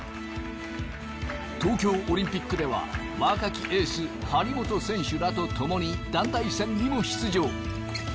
東京オリンピックでは若きエース張本選手らとともに団体戦にも出場。